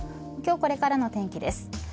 今日これからの天気です。